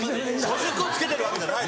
おしっこつけてるわけじゃない。